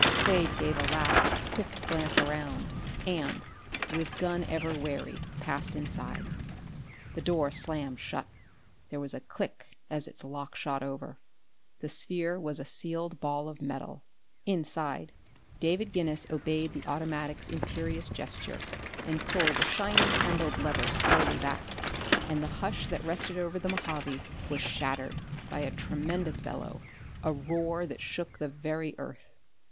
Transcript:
Quade gave a last quick glance around and, with gun ever wary, passed inside. The door slammed shut: there was a click as its lock shot over. The sphere was a sealed ball of metal. Inside, David Guinness obeyed the automatic's imperious gesture and pulled a shiny handled lever slowly back, and the hush that rested over the Mojave was shattered by a tremendous bellow, a roar that shook the very earth.